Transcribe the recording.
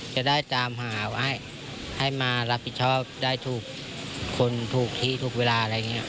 จะได้เจ้ามหาไว้ให้หมารับผิดชอบได้ถูกคนถูกที่ถูกเวลา